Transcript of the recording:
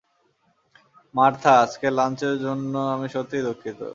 Martha, আজকের লাঞ্চের জন্য আমি সত্যিই দুঃখিত।